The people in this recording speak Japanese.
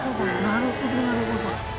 なるほどなるほど。